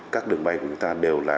các đường bay của chúng ta đều là